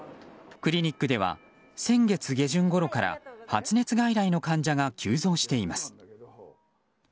クリニックでは先月下旬ごろから発熱外来の患者が急増しています。